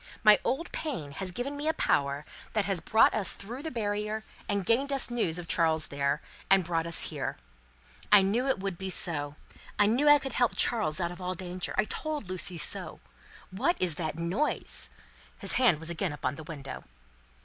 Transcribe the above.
My old pain has given me a power that has brought us through the barrier, and gained us news of Charles there, and brought us here. I knew it would be so; I knew I could help Charles out of all danger; I told Lucie so. What is that noise?" His hand was again upon the window.